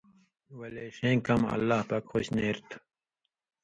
ولے ݜیں کمہۡ اللہ پاک خوش نېریۡ تھُو۔